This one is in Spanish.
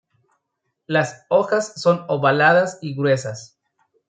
Las hojas son ovaladas y gruesas.